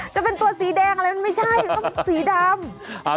จะเป็นตัวสีแดงอะไรมันไม่ใช่ต้องสีดำ